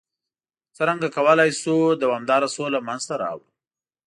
څرنګه کولای شو دوامداره سوله منځته راوړ؟